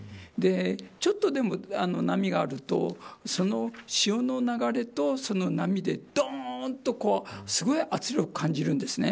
ちょっとでも波があると潮の流れと波でどんとすごい圧力を感じるんです。